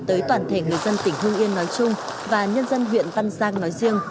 tới toàn thể người dân tỉnh hưng yên nói chung và nhân dân huyện văn giang nói riêng